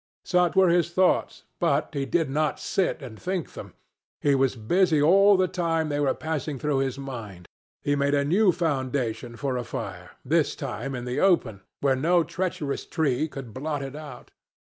Such were his thoughts, but he did not sit and think them. He was busy all the time they were passing through his mind, he made a new foundation for a fire, this time in the open; where no treacherous tree could blot it out.